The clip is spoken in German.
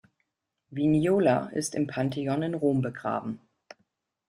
Vignola ist im Pantheon in Rom begraben.